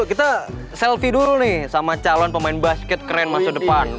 kita selfie dulu nih sama calon pemain basket keren masa depan